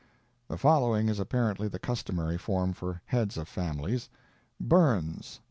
The following is apparently the customary form for heads of families: Burns.